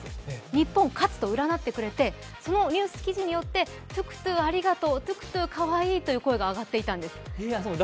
日本勝つと占ってくれて、そのニュース記事を受けて、トゥクトゥありがとう、トゥクトゥクかわいいという声が上がっていたんです。